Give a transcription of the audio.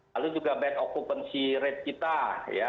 lalu juga bad occupancy rate kita ya